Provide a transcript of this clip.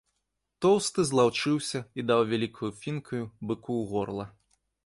Тоўсты злаўчыўся і даў вялікаю фінкаю быку ў горла.